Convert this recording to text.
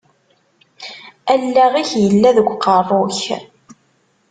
Allaɣ-ik yella deg uqerru-k.